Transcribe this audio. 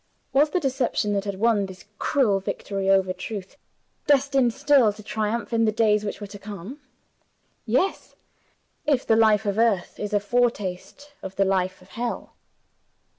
Was the deception that had won this cruel victory over truth destined still to triumph in the days which were to come? Yes if the life of earth is a foretaste of the life of hell.